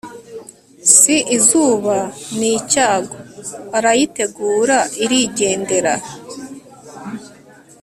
si izuba ni icyago! arayitegura irigendera